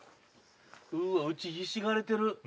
うわ打ちひしがれてる。